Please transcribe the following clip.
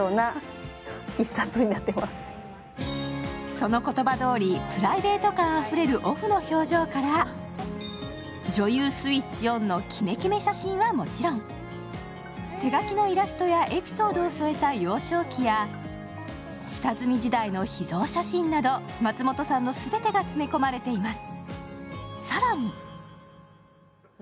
その言葉どおり、プライベート感あふれるオフの表情から女優スイッチオンのキメキメ写真はもちろん、手描きのイラストやエピソードを添えた幼少期や下積み時代の秘蔵写真など松本さんの全てが詰め込まれています。